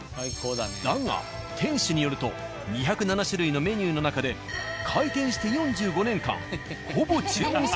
だが店主によると２０７種類のメニューの中で開店して何？